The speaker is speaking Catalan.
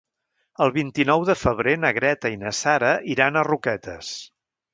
El vint-i-nou de febrer na Greta i na Sara iran a Roquetes.